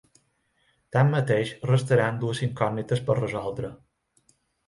Tanmateix, restaran dues incògnites per resoldre.